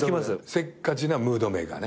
せっかちなムードメーカーね。